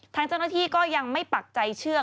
ทางเจ้าหน้าที่ก็ยังไม่ปักใจเชื่อ